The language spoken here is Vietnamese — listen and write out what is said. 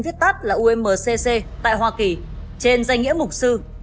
hội thánh tin lành đấng cris có tên viết tắt là umcc tại hoa kỳ trên danh nghĩa mục sư